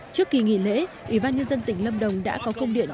trước kỳ nghỉ lễ ủy ban nhân dân tỉnh lâm đồng đã có công điện